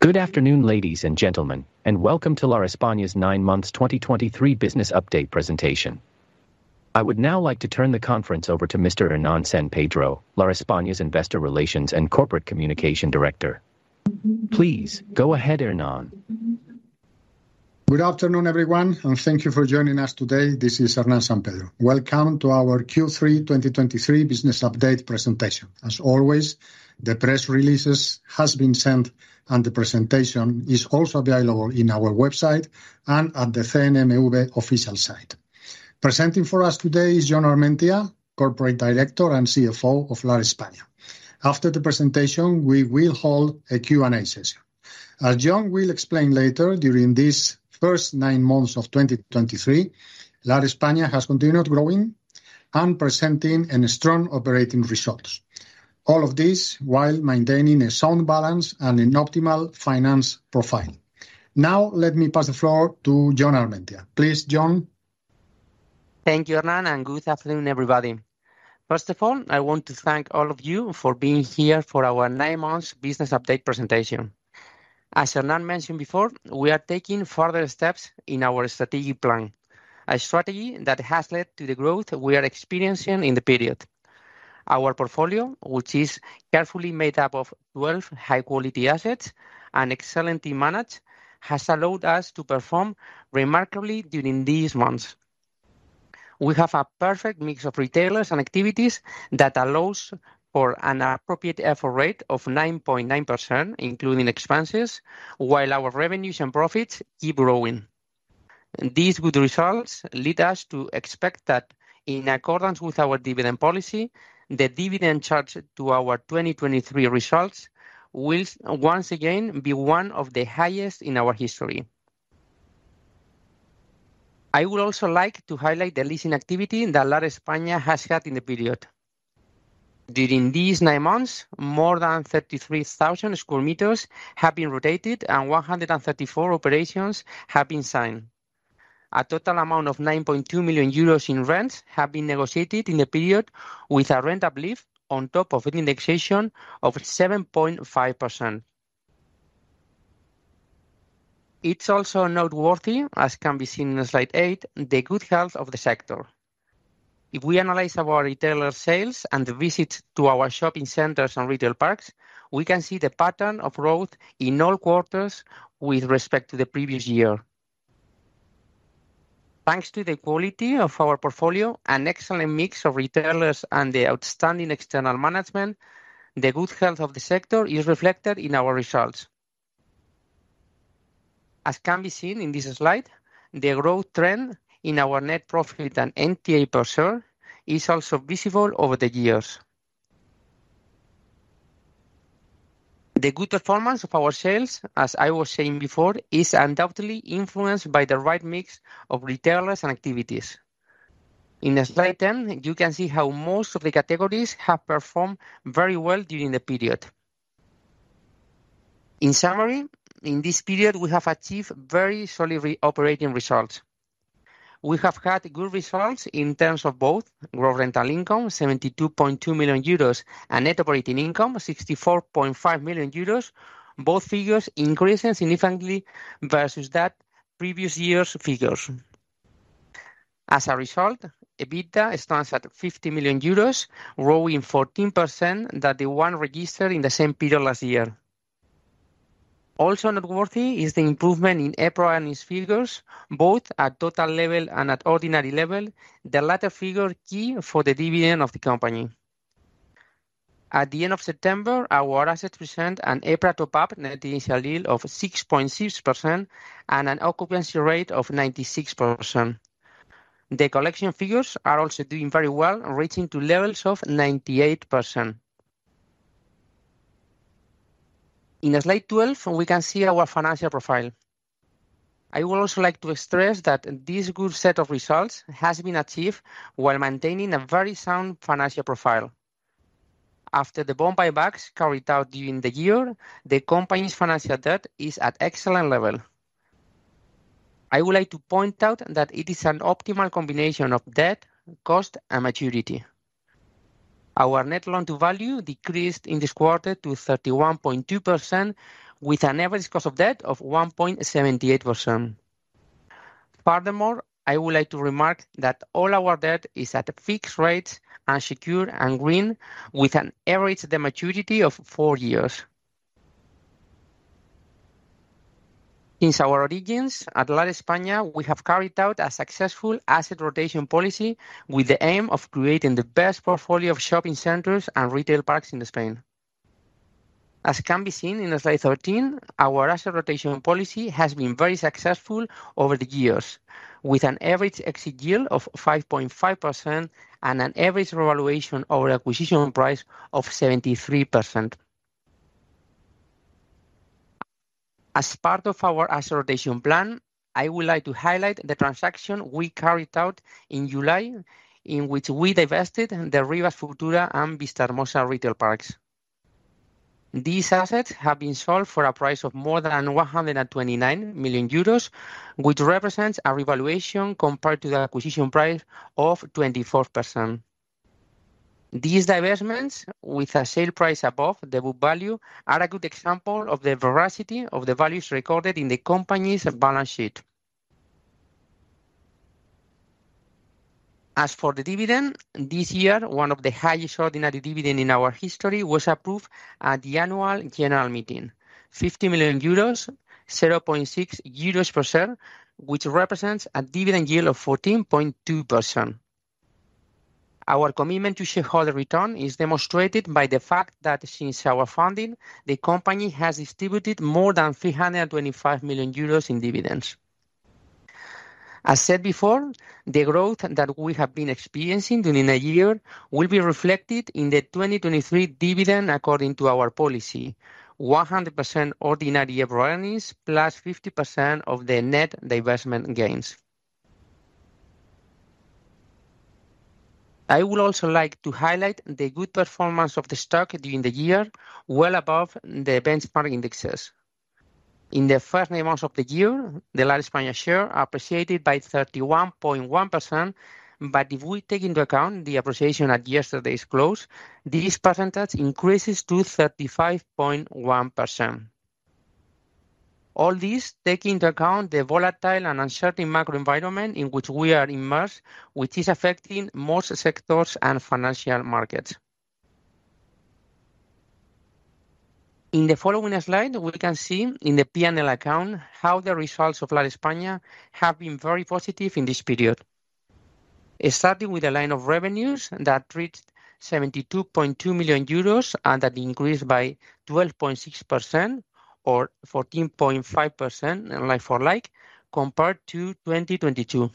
Good afternoon, ladies and gentlemen, and welcome to Lar España's nine months 2023 business update presentation. I would now like to turn the conference over to Mr. Hernán San Pedro, Lar España's Investor Relations and Corporate Communication Director. Please, go ahead, Hernán. Good afternoon, everyone, and thank you for joining us today. This is Hernán San Pedro. Welcome to our Q3 2023 business update presentation. As always, the press releases has been sent, and the presentation is also available in our website and at the CNMV official site. Presenting for us today is Jon Armentia, Corporate Director and CFO of Lar España. After the presentation, we will hold a Q&A session. As Jon will explain later, during these first nine months of 2023, Lar España has continued growing and presenting a strong operating results. All of this while maintaining a sound balance and an optimal finance profile. Now, let me pass the floor to Jon Armentia. Please, Jon. Thank you, Hernán, and good afternoon, everybody. First of all, I want to thank all of you for being here for our nine months business update presentation. As Hernán mentioned before, we are taking further steps in our strategic plan, a strategy that has led to the growth we are experiencing in the period. Our portfolio, which is carefully made up of 12 high-quality assets and excellently managed, has allowed us to perform remarkably during these months. We have a perfect mix of retailers and activities that allows for an appropriate effort rate of 9.9%, including expenses, while our revenues and profits keep growing. These good results lead us to expect that in accordance with our dividend policy, the dividend charged to our 2023 results will once again be one of the highest in our history. I would also like to highlight the leasing activity that Lar España has had in the period. During these nine months, more than 33,000 square meters have been rotated and 134 operations have been signed. A total amount of 9.2 million euros in rents have been negotiated in the period, with a rent uplift on top of an indexation of 7.5%. It's also noteworthy, as can be seen in slide 8, the good health of the sector. If we analyze our retailer sales and the visits to our shopping centers and retail parks, we can see the pattern of growth in all quarters with respect to the previous year. Thanks to the quality of our portfolio and excellent mix of retailers and the outstanding external management, the good health of the sector is reflected in our results. As can be seen in this slide, the growth trend in our net profit and NTA per share is also visible over the years. The good performance of our sales, as I was saying before, is undoubtedly influenced by the right mix of retailers and activities. In slide 10, you can see how most of the categories have performed very well during the period. In summary, in this period, we have achieved very solid operating results. We have had good results in terms of both gross rental income, 72.2 million euros, and net operating income, 64.5 million euros, both figures increasing significantly versus that previous year's figures. As a result, EBITDA stands at 50 million euros, growing 14% than the one registered in the same period last year. Also noteworthy is the improvement in EPRA earnings figures, both at total level and at ordinary level, the latter figure key for the dividend of the company. At the end of September, our assets present an EPRA top-up net initial yield of 6.6% and an occupancy rate of 96%. The collection figures are also doing very well, reaching to levels of 98%. In slide 12, we can see our financial profile. I would also like to stress that this good set of results has been achieved while maintaining a very sound financial profile. After the bond buybacks carried out during the year, the company's financial debt is at excellent level. I would like to point out that it is an optimal combination of debt, cost, and maturity. Our net loan-to-value decreased in this quarter to 31.2%, with an average cost of debt of 1.78%. Furthermore, I would like to remark that all our debt is at a fixed rate and secure and green, with an average, the maturity of 4 years. Since our origins at Lar España, we have carried out a successful asset rotation policy with the aim of creating the best portfolio of shopping centers and retail parks in Spain. As can be seen in slide 13, our asset rotation policy has been very successful over the years, with an average exit yield of 5.5% and an average revaluation over acquisition price of 73%. As part of our asset rotation plan, I would like to highlight the transaction we carried out in July, in which we divested the Rivas Futura and Vista Alegre retail parks. These assets have been sold for a price of more than 129 million euros, which represents a revaluation compared to the acquisition price of 24%. These divestments, with a sale price above the book value, are a good example of the veracity of the values recorded in the company's balance sheet. As for the dividend, this year, one of the highest ordinary dividend in our history was approved at the annual general meeting. 50 million euros, 0.6 euros per share, which represents a dividend yield of 14.2%. Our commitment to shareholder return is demonstrated by the fact that since our founding, the company has distributed more than 325 million euros in dividends. As said before, the growth that we have been experiencing during the year will be reflected in the 2023 dividend, according to our policy, 100% ordinary year earnings, plus 50% of the net divestment gains. I would also like to highlight the good performance of the stock during the year, well above the benchmark indexes. In the first nine months of the year, the Lar España share appreciated by 31.1%. But if we take into account the appreciation at yesterday's close, this percentage increases to 35.1%. All this, taking into account the volatile and uncertain macro environment in which we are immersed, which is affecting most sectors and financial markets. In the following slide, we can see in the P&L account, how the results of Lar España have been very positive in this period. Starting with a line of revenues that reached 72.2 million euros, and that increased by 12.6%, or 14.5%, like for like, compared to 2022.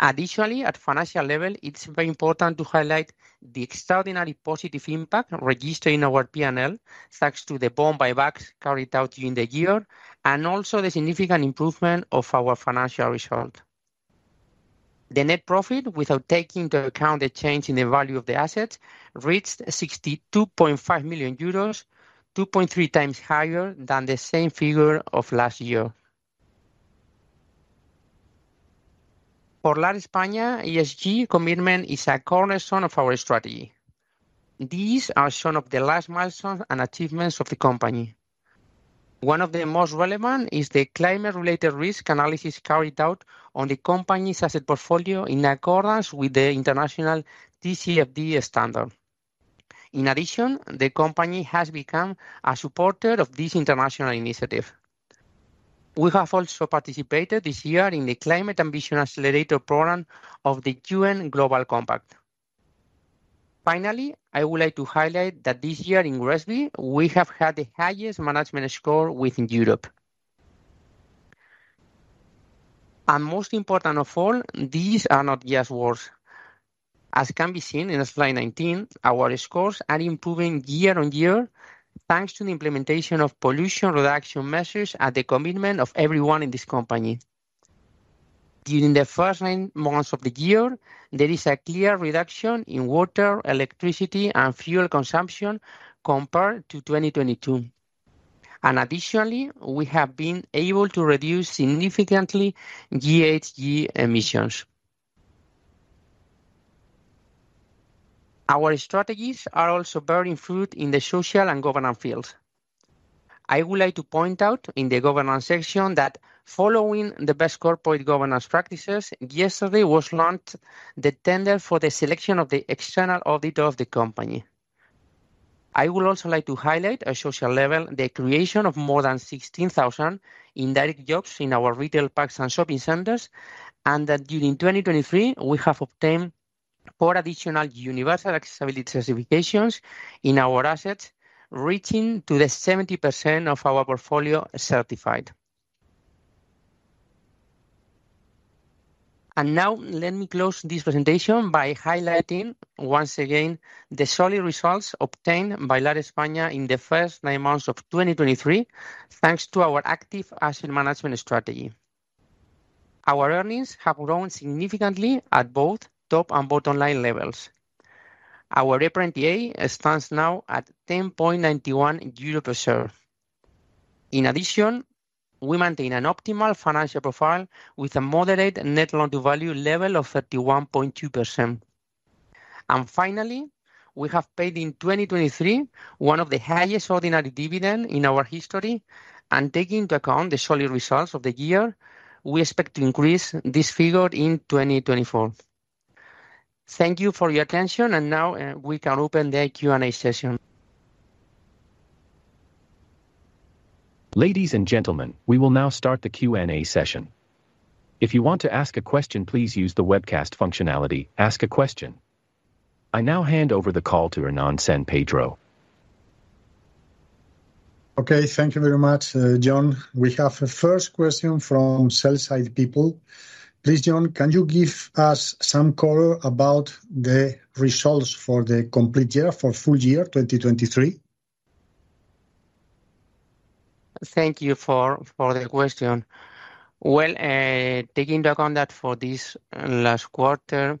Additionally, at financial level, it's very important to highlight the extraordinary positive impact registered in our PNL, thanks to the bond buybacks carried out during the year, and also the significant improvement of our financial results. The net profit, without taking into account the change in the value of the assets, reached 62.5 million euros, 2.3 times higher than the same figure of last year. For Lar España, ESG commitment is a cornerstone of our strategy. These are some of the last milestones and achievements of the company. One of the most relevant is the climate-related risk analysis carried out on the company's asset portfolio, in accordance with the international TCFD standard. In addition, the company has become a supporter of this international initiative. We have also participated this year in the Climate Ambition Accelerator program of the UN Global Compact. Finally, I would like to highlight that this year in GRESB, we have had the highest management score within Europe. Most important of all, these are not just words. As can be seen in slide 19, our scores are improving year on year, thanks to the implementation of pollution reduction measures and the commitment of everyone in this company. During the first nine months of the year, there is a clear reduction in water, electricity, and fuel consumption compared to 2022. Additionally, we have been able to reduce significantly GHG emissions. Our strategies are also bearing fruit in the social and governance fields. I would like to point out, in the governance section, that following the best corporate governance practices, yesterday was launched the tender for the selection of the external auditor of the company. I would also like to highlight, at social level, the creation of more than 16,000 indirect jobs in our retail parks and shopping centers, and that during 2023, we have obtained 4 additional universal accessibility certifications in our assets, reaching to the 70% of our portfolio certified. Now, let me close this presentation by highlighting, once again, the solid results obtained by Lar España in the first nine months of 2023, thanks to our active asset management strategy. Our earnings have grown significantly at both top and bottom line levels. Our EBITDA stands now at 10.91 euro per share. In addition, we maintain an optimal financial profile, with a moderate net loan-to-value level of 31.2%. Finally, we have paid in 2023 one of the highest ordinary dividend in our history. Taking into account the solid results of the year, we expect to increase this figure in 2024. Thank you for your attention, and now we can open the Q&A session. Ladies and gentlemen, we will now start the Q&A session. If you want to ask a question, please use the webcast functionality, "Ask a question." I now hand over the call to Hernán San Pedro. Okay, thank you very much, Jon. We have a first question from sell-side people. Please, Jon, can you give us some color about the results for the complete year, for full year 2023? Thank you for the question. Well, taking into account that for this last quarter,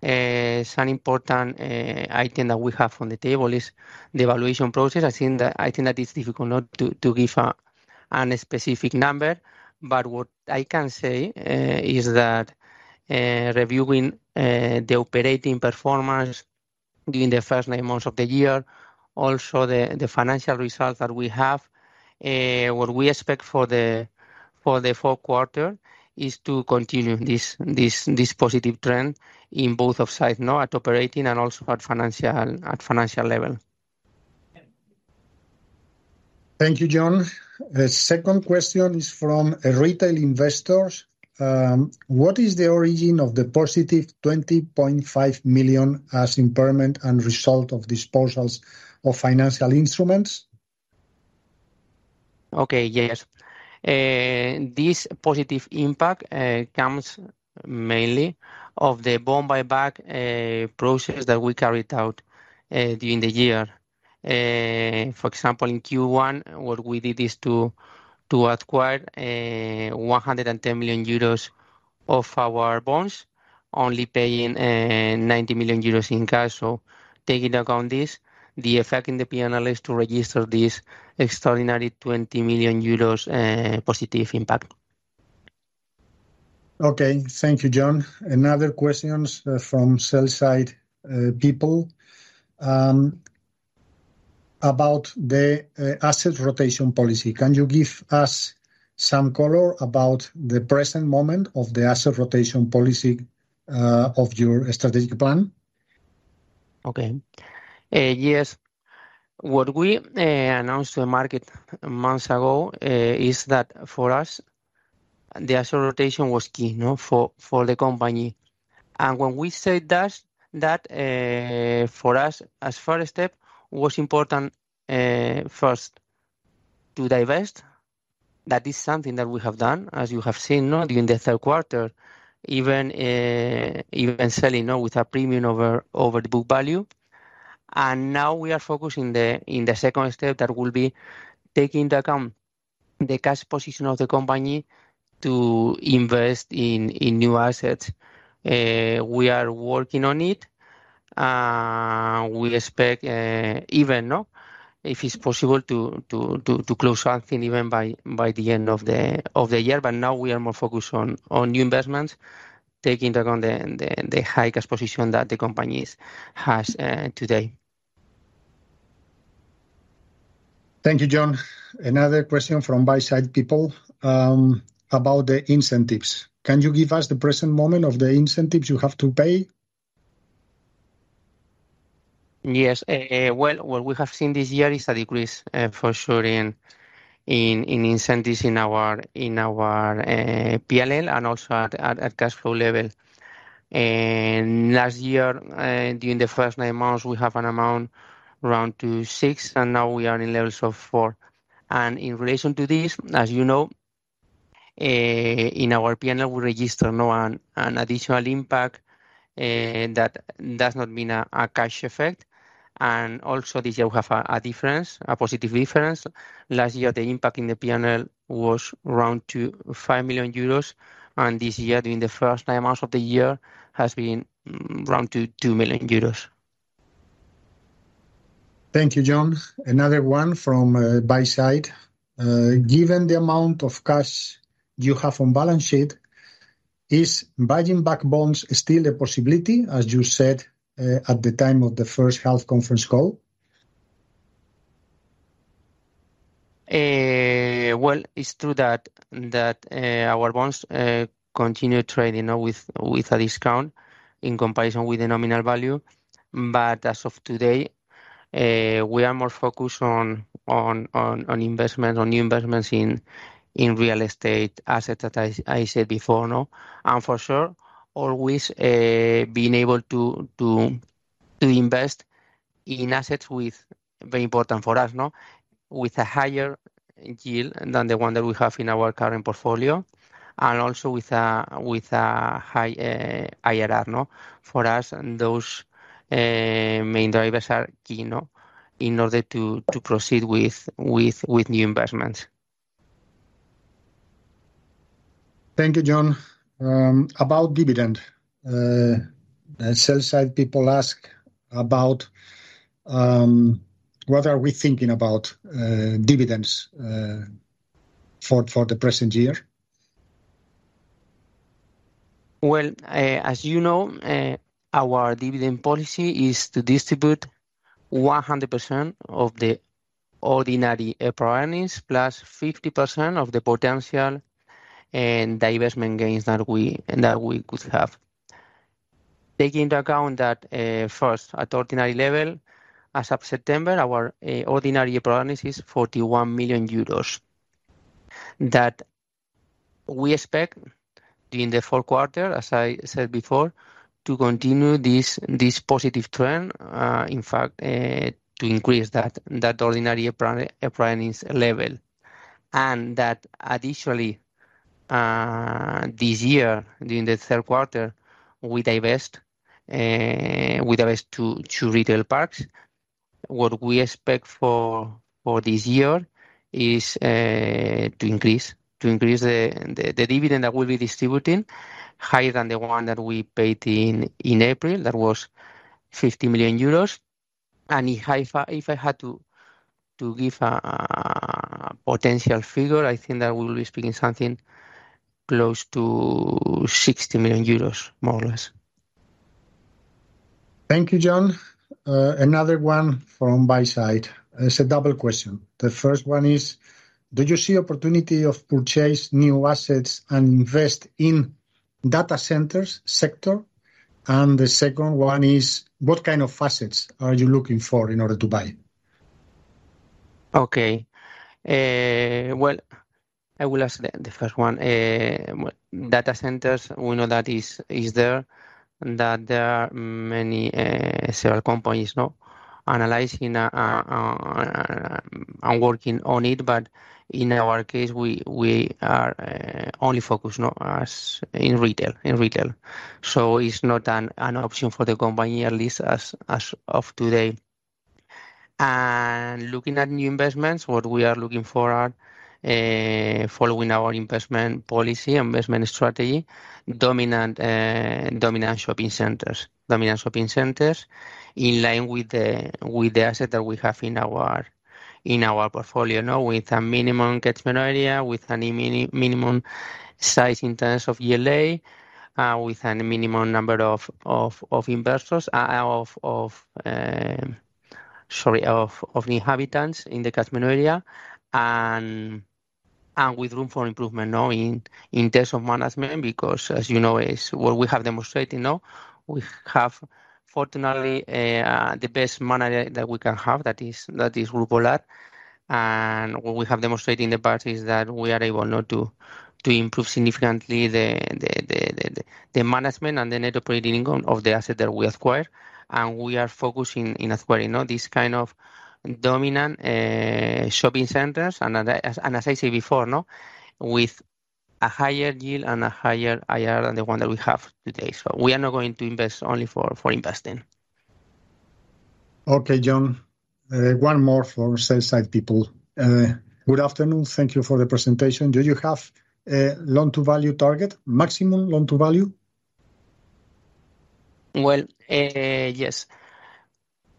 some important item that we have on the table is the evaluation process. I think that it's difficult not to give a specific number, but what I can say is that, reviewing the operating performance during the first nine months of the year, also the financial results that we have, what we expect for the fourth quarter is to continue this positive trend in both of sides, you know, at operating and also at financial level. Thank you, Jon. The second question is from a retail investor. What is the origin of the positive 20.5 million as impairment and result of disposals of financial instruments? Okay, yes. This positive impact comes mainly of the bond buyback process that we carried out during the year. For example, in Q1, what we did is to acquire 110 million euros of our bonds, only paying 90 million euros in cash. So taking into account this, the effect in the P&L is to register this extraordinary 20 million euros positive impact. Okay. Thank you, Jon. Another questions from sell-side people about the asset rotation policy. Can you give us some color about the present moment of the asset rotation policy of your strategic plan? Okay. Yes. What we announced to the market months ago is that for us, the asset rotation was key, you know, for the company. And when we said that, for us, as first step, was important first to divest. That is something that we have done, as you have seen, you know, during the third quarter, even selling, you know, with a premium over the book value. And now we are focusing in the second step that will be taking into account the cash position of the company to invest in new assets. We are working on it, we expect, even, you know, if it's possible to close something even by the end of the year. But now we are more focused on new investments, taking into account the high cash position that the company has today. Thank you, Jon. Another question from buy-side people, about the incentives. Can you give us the present moment of the incentives you have to pay? Yes. Well, what we have seen this year is a decrease, for sure in incentives in our P&L and also at cash flow level. And last year, during the first nine months, we have an amount around 6, and now we are in levels of 4. And in relation to this, as you know, in our P&L, we register now an additional impact, that does not mean a cash effect. And also this year, we have a difference, a positive difference. Last year, the impact in the P&L was around 5 million euros, and this year, during the first nine months of the year, has been around 2 million euros. Thank you, Jon. Another one from buy-side. Given the amount of cash you have on balance sheet, is buying back bonds still a possibility, as you said, at the time of the first half conference call? Well, it's true that our bonds continue trading, you know, with a discount in comparison with the nominal value. But as of today, we are more focused on investment, on new investments in real estate assets, that I said before, no? And for sure, always being able to invest in assets with... Very important for us, no? With a higher yield than the one that we have in our current portfolio, and also with a higher RNO. For us, those main drivers are key, you know, in order to proceed with new investments. Thank you, Jon. About dividend, the sell-side people ask about what are we thinking about dividends for the present year? Well, as you know, our dividend policy is to distribute 100% of the ordinary earnings, plus 50% of the potential and divestment gains that we could have. Taking into account that, first, at ordinary level, as of September, our ordinary earnings is 41 million euros, that we expect during the fourth quarter, as I said before, to continue this positive trend, in fact, to increase that ordinary earnings level. And that additionally, this year, during the third quarter, we divest two retail parks. What we expect for this year is to increase the dividend that we'll be distributing higher than the one that we paid in April, that was 50 million euros. If I had to give a potential figure, I think that we will be speaking something close to 60 million euros, more or less. Thank you, Jon. Another one from buy side. It's a double question. The first one is: Do you see opportunity of purchase new assets and invest in data centers sector? And the second one is: What kind of assets are you looking for in order to buy? Okay. Well, I will answer the first one. Data centers, we know that is there, and that there are many several companies, no, analyzing and working on it. But in our case, we are only focused, no, as in retail, in retail. So it's not an option for the company, at least as of today. And looking at new investments, what we are looking for are following our investment policy, investment strategy, dominant shopping centers. Dominant shopping centers in line with the asset that we have in our portfolio, no? With a minimum catchment area, with a minimum size in terms of GLA, with a minimum number of inhabitants in the catchment area, and with room for improvement, no, in terms of management. Because, as you know, is what we have demonstrated, no? We have, fortunately, the best manager that we can have, that is Grupo Lar. And what we have demonstrated in the past is that we are able now to improve significantly the management and the net operating income of the asset that we acquire, and we are focusing in acquiring, no, this kind of dominant shopping centers. And as I said before, no, with a higher yield and a higher IRR than the one that we have today. We are not going to invest only for investing. Okay, Jon, one more for sell-side people. Good afternoon, thank you for the presentation. Do you have a loan-to-value target, maximum loan-to-value? Well, yes.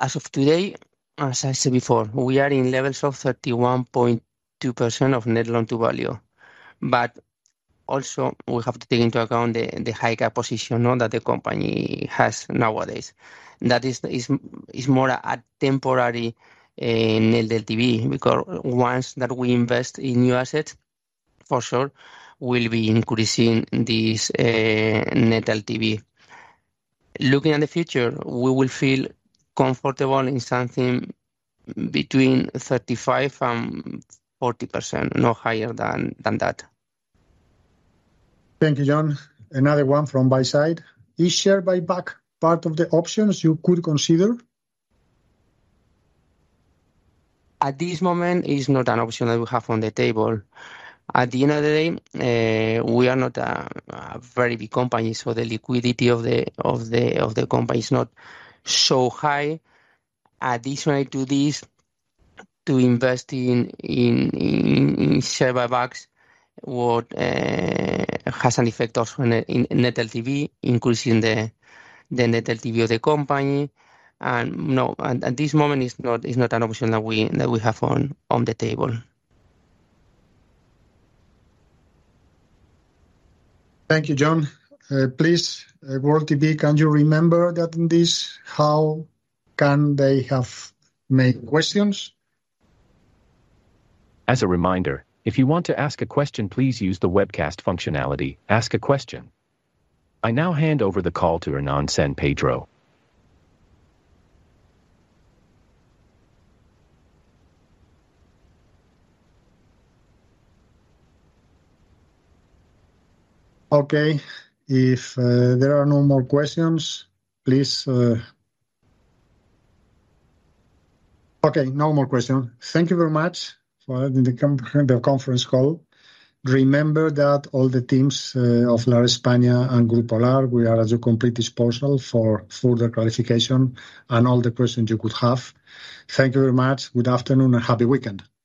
As of today, as I said before, we are in levels of 31.2% net loan-to-value. But also, we have to take into account the high cash position, no, that the company has nowadays. That is more a temporary net LTV, because once that we invest in new assets, for sure we'll be increasing this net LTV. Looking at the future, we will feel comfortable in something between 35% and 40%, no higher than that. Thank you, Jon. Another one from buy side. Is share buyback part of the options you could consider? At this moment, it's not an option that we have on the table. At the end of the day, we are not a very big company, so the liquidity of the company is not so high. Additional to this, to invest in share buybacks would has an effect also on the net LTV, increasing the net LTV of the company. And no, at this moment, it's not an option that we have on the table. Thank you, Jon. Please, World TV, can you remember that in this, how can they have make questions? As a reminder, if you want to ask a question, please use the webcast functionality, Ask a Question. I now hand over the call to Hernán San Pedro. Okay, if there are no more questions, please... Okay, no more question. Thank you very much for having the conference call. Remember that all the teams of Lar España and Grupo Lar, we are at your complete disposal for further clarification and all the questions you could have. Thank you very much. Good afternoon, and happy weekend.